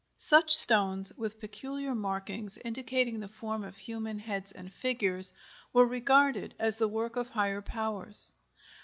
Such stones, with peculiar markings indicating the form of human heads and figures, were regarded as the work of higher powers.